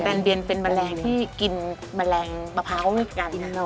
แตนเบียนเป็นแมรงที่กินมันแมลงรรพาวราชกัน